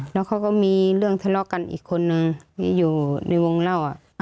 แล้วเขาก็มีเรื่องทะเลาะกันอีกคนนึงมีอยู่ในวงเล่า